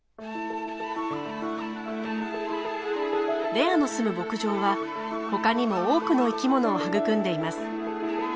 レアのすむ牧場は他にも多くの生きものを育んでいます。